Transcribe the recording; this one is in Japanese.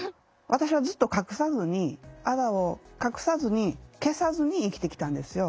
私はずっと隠さずにあざを隠さずに消さずに生きてきたんですよ。